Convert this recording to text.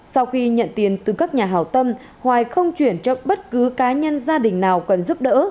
sau khi nhận tiền từ các nhà hào tâm hoài không chuyển cho bất cứ cá nhân gia đình nào cần giúp đỡ